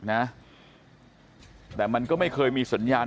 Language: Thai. ตรของหอพักที่อยู่ในเหตุการณ์เมื่อวานนี้ตอนค่ำบอกให้ช่วยเรียกตำรวจให้หน่อย